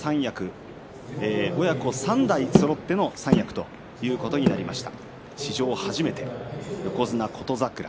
親子３代そろっての三役ということになりました。